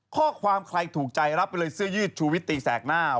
ข้อความใครถูกใจรับไปเลยเสื้อยืดชูวิตตีแสกหน้า